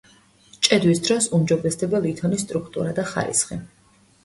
ჭედვის დროს უმჯობესდება ლითონის სტრუქტურა და ხარისხი.